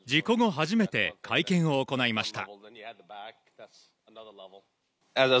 初めて、会見を行いました。